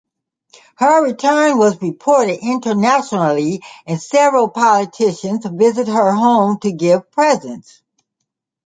Her return was reported internationally and several politicians visited her home to give presents.